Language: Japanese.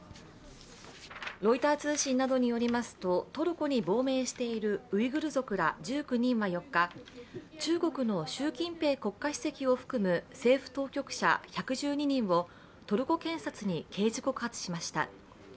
ロイター通信などによりますとトルコに亡命しているウイグル族ら１９人は４日中国の習近平国家主席を含む政府当局者１１２人をトルコ検察に刑事告発しました。